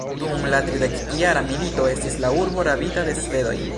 Dum la tridekjara milito estis la urbo rabita de svedoj.